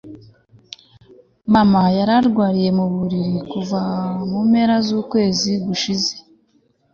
Mama yararwariye mu buriri kuva mu mpera zukwezi gushize